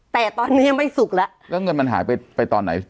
แต่ตอนนี้ยังไม่สุกแล้วแล้วเงินมันหายไปไปตอนไหน